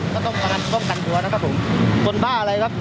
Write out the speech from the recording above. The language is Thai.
ก็ต้องมาป้องกันตัวนะครับผมคนบ้าอะไรครับ